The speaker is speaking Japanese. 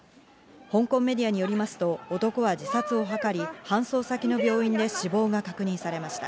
香港メディアによりますと男は自殺を図り、搬送先の病院で死亡が確認されました。